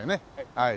はい。